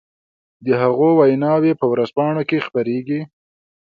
د هغو ويناوې په ورځپانو کې خپرېږي.